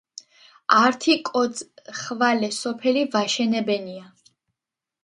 ართი კოც ხვალე სოფელი ვაშენებენია